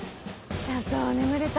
ちゃんと眠れた？